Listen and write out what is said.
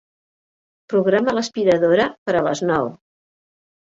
Programa l'aspiradora per a les nou.